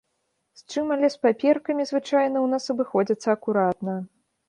З чым, але з паперкамі звычайна ў нас абыходзяцца акуратна.